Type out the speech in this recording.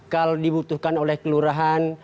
kalau dibutuhkan oleh kelurahan